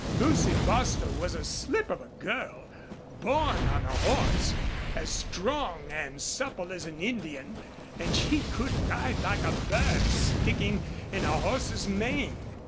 Lucy Bostil was a slip of a girl, born on a horse, as strong and supple as an Indian, and she could ride like a burr sticking in a horse's mane.